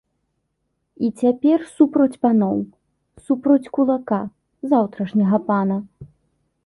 І цяпер супроць паноў, супроць кулака, заўтрашняга пана.